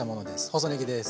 細ねぎです。